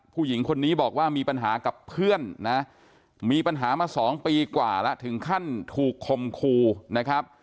ผู้หญิงคนนี้บอกว่ามีปัญหากับเพื่อนนะมีปัญหามา๒ปีกว่าแล้วถึงขั้นถูกคมคูนะครับ